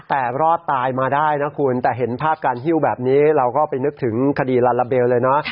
แต่รอดตายมาได้นะคุณแต่เห็นภาพการหิ้วแบบนี้เราก็ไปนึกถึงคดีลาลาเบลเลยนะ